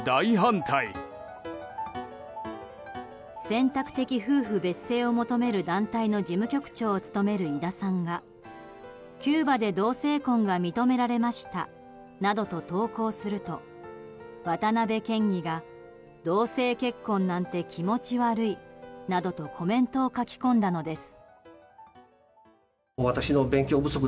選択的夫婦別姓を求める団体の事務局長を務める井田さんがキューバで同性婚が認められましたなどと投稿すると、渡辺県議が同性結婚なんて気持ち悪いなどとコメントを書き込んだのです。